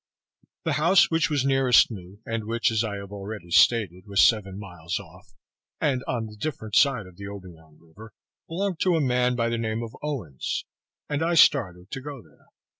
The house which was nearest me, and which, as I have already stated, was seven miles off, and on the different side of the Obion river, belonged to a man by the name of Owens; and I started to go there.